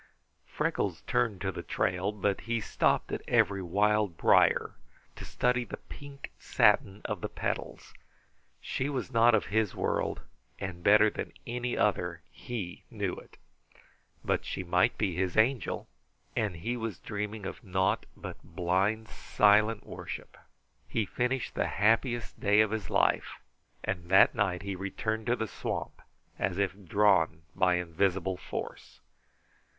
Freckles turned to the trail, but he stopped at every wild brier to study the pink satin of the petals. She was not of his world, and better than any other he knew it; but she might be his Angel, and he was dreaming of naught but blind, silent worship. He finished the happiest day of his life, and that night he returned to the swamp as if drawn by invisible force.